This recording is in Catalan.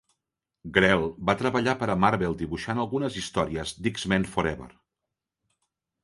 Grell va treballar per a Marvel dibuixant algunes històries d'"X-Men Forever".